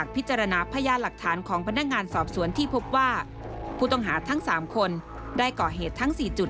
ผู้ต้องหาทั้ง๓คนได้ก่อเหตุทั้ง๔จุด